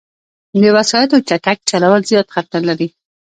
د وسايطو چټک چلول، زیاد خطر لري